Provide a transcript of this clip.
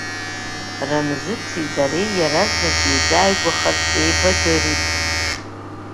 Рамзыци дареи иаразнак еизааигәахартә еибадырит.